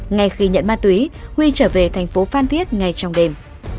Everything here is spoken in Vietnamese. ngay khi nhận ma túy huy trở về thành phố phan thiết ngay trong đêm